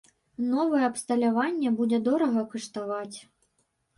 Новае абсталяванне будзе дорага каштаваць.